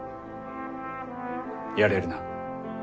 やれるな？